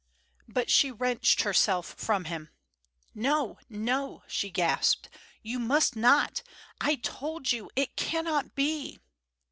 But she wrenched herself from him. "No, no!" she gasped. "You must not! I told you. It cannot be."